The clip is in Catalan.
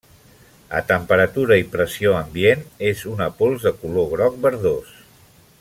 A temperatura i pressió ambient és una pols de color groc verdós.